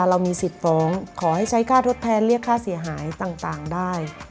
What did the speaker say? เรามีสิทธิ์ฟ้องขอให้ใช้ค่าทดแทนเรียกค่าเสียหายต่างได้